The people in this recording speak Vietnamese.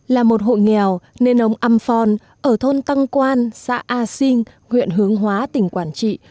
là một hộ nghèo nên ông am phon ở thôn tăng quan xã a sinh huyện hướng hóa tỉnh quảng trị